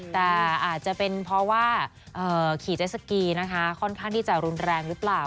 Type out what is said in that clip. แต่อาจจะเป็นเพราะว่าขี่เจสสกีนะคะค่อนข้างที่จะรุนแรงหรือเปล่า